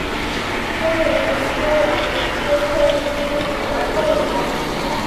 松林园蛛为园蛛科园蛛属的动物。